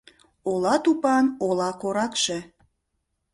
Ола тупан ола коракше